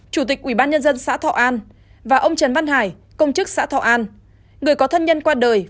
chủ tịch ubnd xã thọ an và ông trần văn hải công chức xã thọ an người có thân nhân qua đời